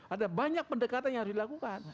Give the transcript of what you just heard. ada banyak pendekatan yang harus dilakukan